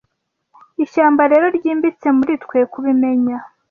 Ishyamba rero, ryimbitse muri twe - kubimenya